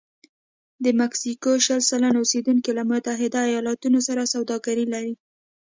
د مکسیکو شل سلنه اوسېدونکي له متحده ایالتونو سره سوداګري لري.